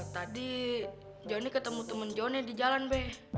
tadi johnny ketemu temen johnny di jalan be